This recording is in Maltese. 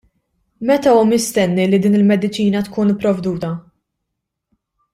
Meta hu mistenni li din il-mediċina tkun ipprovduta?